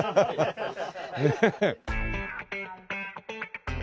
ねえ。